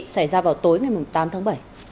xảy ra vào tối ngày tám tháng bảy